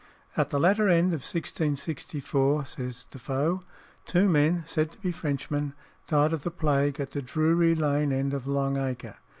At the latter end of 1664, says Defoe, two men, said to be Frenchmen, died of the plague at the Drury Lane end of Long Acre.